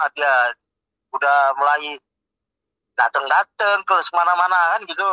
dia sudah mulai datang datang ke semana mana kan gitu